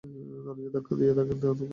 দরজায় ধাক্কা দিয়ে দেখেন, তা ভোলা।